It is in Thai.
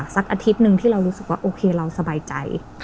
อาทิตย์หนึ่งที่เรารู้สึกว่าโอเคเราสบายใจ